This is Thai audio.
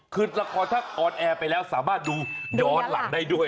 คือละครถ้าออนแอร์ไปแล้วสามารถดูย้อนหลังได้ด้วย